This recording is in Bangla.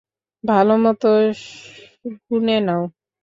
ভালোমতো গুণে নাও।